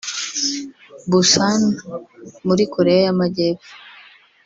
Busan muri Koreya y’Amajyepfo